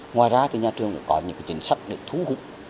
ngoài ra thì nhà trường cũng có những cái chính sách để thú hữu